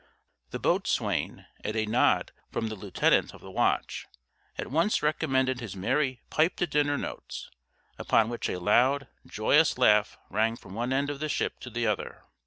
The boatswain, at a nod from the lieutenant of the watch, at once recommenced his merry "Pipe to dinner" notes; upon which a loud, joyous laugh rang from one end of the ship to the other.